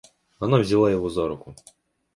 Она взяла его за руку.